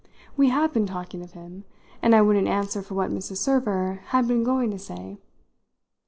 We had been talking of him, and I wouldn't answer for what Mrs. Server had been going to say.